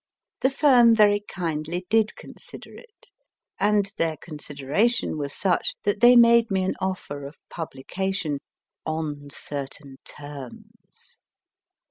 The firm very kindly did consider it, and their consideration was such that they made me an offer of publication on certain terms.